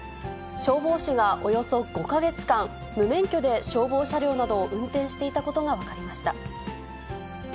消防士がおよそ５か月間、無免許で消防車両などを運転していたことが分かりました。